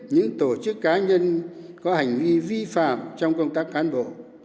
những tổ chức cá nhân có hành vi vi phạm trong công tác cán bộ